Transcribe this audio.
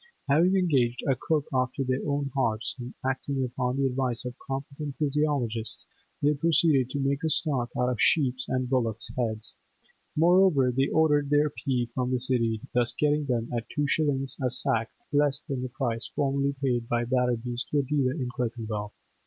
Having engaged a cook after their own hearts, and acting upon the advice of competent physiologists, they proceeded to make a 'stock' out of sheep's and bullocks' heads; moreover, they ordered their peas from the City, thus getting them at two shillings a sack less than the price formerly paid by the Batterbys to a dealer in Clerkenwell.